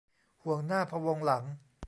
ห่วงหน้าพะวงหลัง